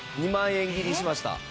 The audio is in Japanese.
２万円切りしました。